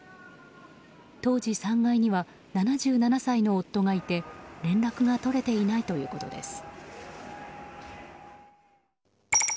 当時３階には７７歳の夫がいて連絡が取れていないということです。